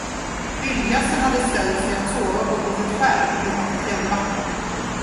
Vildgässen hade ställt sig att sova på ett litet skär utanför Fjällbacka.